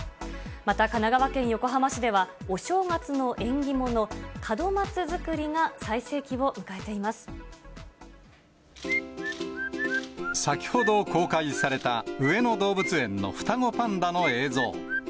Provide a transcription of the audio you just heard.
また、神奈川県横浜市では、お正月の縁起物、先ほど公開された、上野動物園の双子パンダの映像。